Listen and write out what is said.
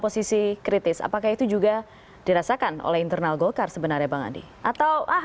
posisi kritis apakah itu juga dirasakan oleh internal golkar sebenarnya bang adi atau ah